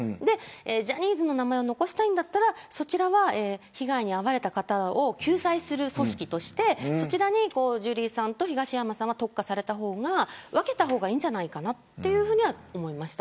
ジャニーズの名前を残したいんだったら、そちらは被害に遭われた方を救済する組織としてそちらにジュリーさんと東山さんは特化された方が分けた方がいいんじゃないかなというふうに思いました。